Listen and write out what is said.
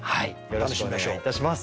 よろしくお願いします。